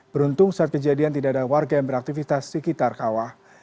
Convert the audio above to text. beruntung saat kejadian tidak ada warga yang beraktivitas di sekitar kawah